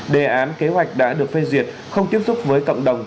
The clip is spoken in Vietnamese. đề án kế hoạch đã được phê duyệt không tiếp xúc với cộng đồng